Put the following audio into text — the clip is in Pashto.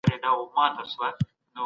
هر کار بايد په خپل وخت ترسره سي.